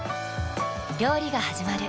料理がはじまる。